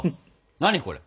何これ。